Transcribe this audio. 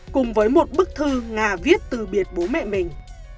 cùng với một bức thư ngà viết từ biệt bố mẹ mình